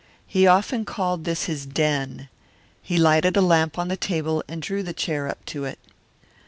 He often called this his den. He lighted a lamp on the table and drew the chair up to it.